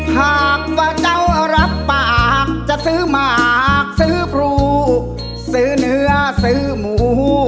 หากว่าเจ้ารับปากจะซื้อหมากซื้อปลูกซื้อเนื้อซื้อหมู